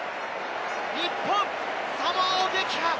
日本、サモアを撃破！